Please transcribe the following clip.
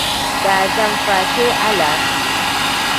Daadam faashee alaafee.